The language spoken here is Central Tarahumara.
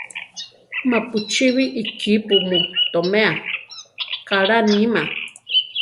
Ma pu chíbi ikípu mu toméa, kaʼlá níma.